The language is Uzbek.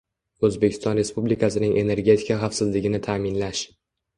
O‘zbekiston Respublikasining energetika xavfsizligini ta’minlash